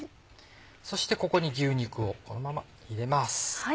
そしてここに牛肉をこのまま入れます。